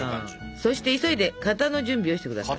そして急いで型の準備をして下さい。